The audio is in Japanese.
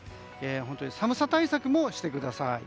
本当に寒さ対策もしてください。